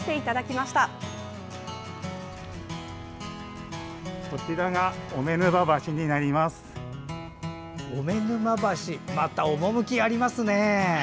また趣ありますね。